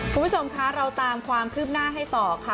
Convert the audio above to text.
คุณผู้ชมคะเราตามความคืบหน้าให้ต่อค่ะ